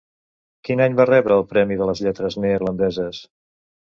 Quin any va rebre el Premi de les Lletres neerlandeses?